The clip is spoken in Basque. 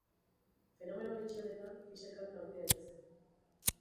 Fenomeno bitxi honetan, bi sailkapen aurki daitezke.